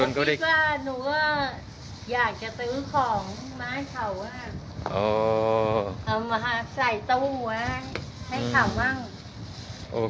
หนูก็คิดว่าหนูอยากจะซื้อของมาช่วยเขามาใส่โต๊ะไป